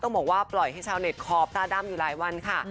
บอกว่าปล่อยให้ชาวเน็ตขอบตาดำอยู่หลายวันค่ะ